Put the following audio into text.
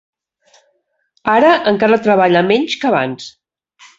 Ara encara treballa menys que abans.